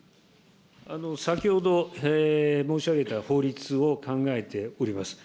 先ほど申し上げた法律を考えております。